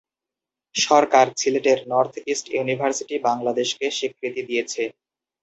সরকার সিলেটের North East University বাংলাদেশকে স্বীকৃতি দিয়েছে।